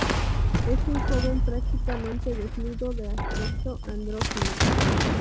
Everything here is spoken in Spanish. Es un joven prácticamente desnudo de aspecto andrógino.